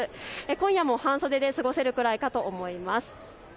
今夜も半袖で過ごせるくらいかと思います。